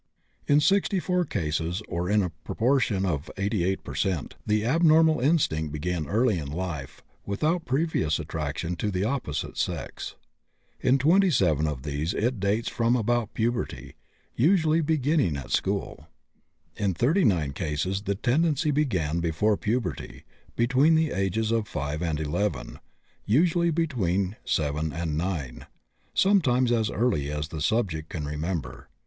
In 64 cases, or in a proportion of 88 per cent., the abnormal instinct began in early life, without previous attraction to the opposite sex. In 27 of these it dates from about puberty, usually beginning at school. In 39 cases the tendency began before puberty, between the ages of 5 and 11, usually between 7 and 9, sometimes as early as the subject can remember.